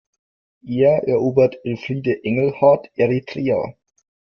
Eher erobert Elfriede Engelhart Eritrea!